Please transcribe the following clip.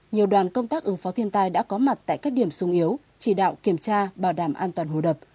nhiều đoàn công tác ứng phó thiên tai đã có mặt tại các điểm sung yếu chỉ đạo kiểm tra bảo đảm an toàn hồ đập